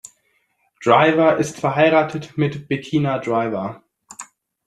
Driver ist verheiratet mit Betina Driver.